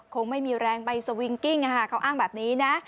คงไม่มีแรงใบสวิงกิ้งเขาอ้างแบบนี้นะ